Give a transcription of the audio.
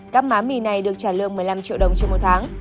các má mì này được trả lương một mươi năm triệu đồng trên một tháng